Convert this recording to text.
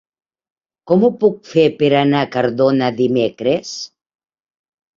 Com ho puc fer per anar a Cardona dimecres?